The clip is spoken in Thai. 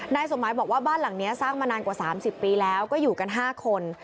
สมหมายบอกว่าบ้านหลังนี้สร้างมานานกว่า๓๐ปีแล้วก็อยู่กัน๕คน